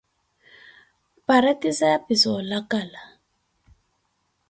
Paretizaya pi za olakala.